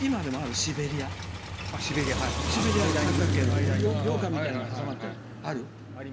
シベリア、三角形のようかんみたいなのに挟まってるのある？